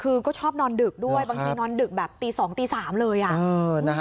คือก็ชอบนอนดึกด้วยบางทีนอนดึกแบบตี๒ตี๓เลย